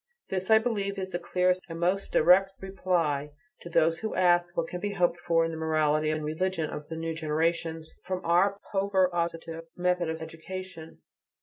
This is, I believe, the clearest and most direct reply to those who ask what can be hoped for in the morality and religion of the new generations, from our "pover ositive" method of education.